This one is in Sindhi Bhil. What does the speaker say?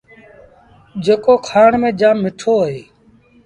جيڪو کآڻ ميݩ جآم مٺو اهي۔